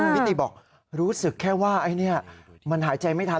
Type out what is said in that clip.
พี่ตีบอกรู้สึกแค่ว่าไอ้นี่มันหายใจไม่ทัน